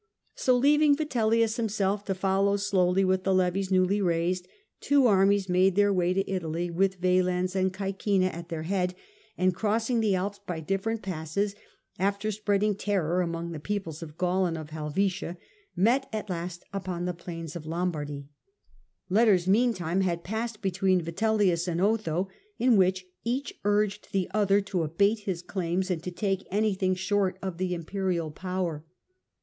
So leaving Vitellius himself to follow slowly with the levies newly raised, two armies made their way to Italy, with Valens and Caecina at their head, and crossing the . Alps by different passes, after spreading terror and were on ^^^ r ^ 1 1 r t t t the inarch among the peoples of Gaul and of Helvetia, for Rome. plains of Lombardy. Letters meantime had passed between Vitellius and Otho, in which each urged the other to abate his claims, and to take anything short of the imperial power.